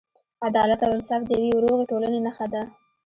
عدالت او انصاف د یوې روغې ټولنې نښه ده.